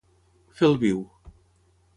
Fer el viu.